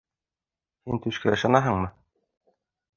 Һин төшкә ышанаһыңмы?